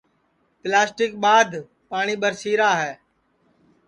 پیلاسٹیک ٻادھ پاٹؔی ٻرسی را ہے